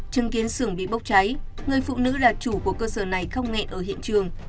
chứng kiến xưởng bị bốc cháy người phụ nữ là chủ của cơ sở này không nghẹn ở hiện trường